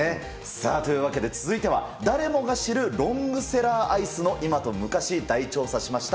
さあ、というわけで続いては、誰もが知るロングセラーアイスの今と昔、大調査しました。